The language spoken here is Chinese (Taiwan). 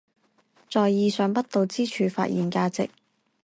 在意想不到之處發現價值